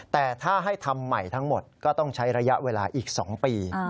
แต่ถ้าให้ทำใหม่ทั้งหมดก็ต้องใช้ระยะเวลาอีก๒ปี